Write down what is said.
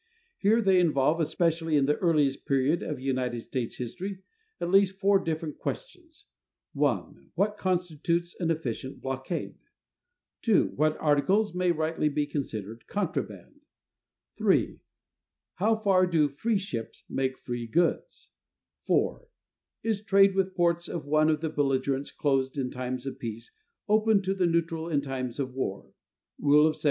Here they involve, especially in the earliest period of United States history, at least four different questions: (1) what constitutes an efficient blockade, (2) what articles may rightly be considered as contraband, (3) how far do "free ships make free goods," (4) is trade with ports of one of the belligerents, closed in times of peace, open to the neutral in times of war (Rule of 1756)?